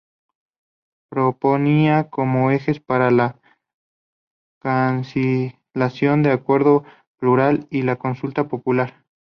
Proponía como ejes para la conciliación el acuerdo plural y la consulta popular.